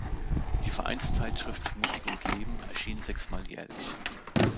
Die Vereinszeitschrift „Musik und Leben“ erschien sechsmal jährlich.